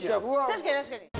確かに、確かに。